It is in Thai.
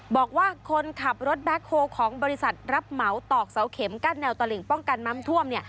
บอกว่าคนขับรถแบ็คโฮของบริษัทรับเหมาตอกเสาเข็มกั้นแววตลิ่งป้องกันน้ำท่วม